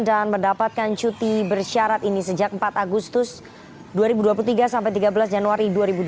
dan mendapatkan cuti bersyarat ini sejak empat agustus dua ribu dua puluh tiga tiga belas januari dua ribu dua puluh empat